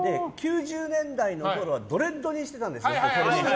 ９０年代のころはドレッドにしてたんです。